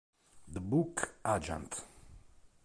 The Book Agent